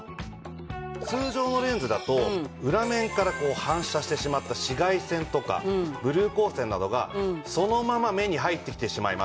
通常のレンズだと裏面から反射してしまった紫外線とかブルー光線などがそのまま目に入ってきてしまいます。